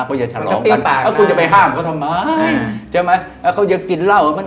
เขาจะฉลองกัน